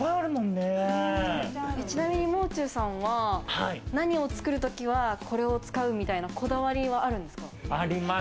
ちなみに、もう中さんは、何を作るときはこれを使うみたいなこだわりはあるんですか？